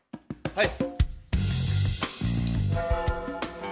はい。